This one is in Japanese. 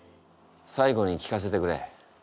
最後に聞かせてくれ。